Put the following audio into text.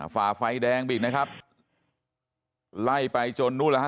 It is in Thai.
ฝ่าไฟแดงไปอีกนะครับไล่ไปจนนู่นแล้วฮ